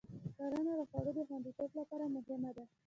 کرنه د خوړو د خوندیتوب لپاره مهمه ده.